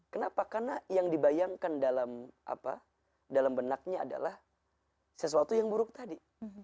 kenapa karena yang dibayangkan dalam benaknya adalah sesuatu yang buruk tadi